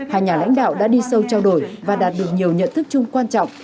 hai nhà lãnh đạo đã đi sâu trao đổi và đạt được nhiều nhận thức chung quan trọng